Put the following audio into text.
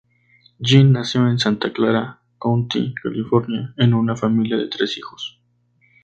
Jin nació en Santa Clara County, California, en una familia de tres hijos.